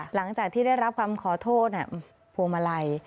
หลังจากที่ได้รับคำขอโทษพวงมาลัย